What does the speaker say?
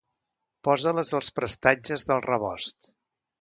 Posa-les als prestatges del rebost.